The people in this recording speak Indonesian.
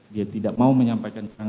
dia tidak mau menyampaikan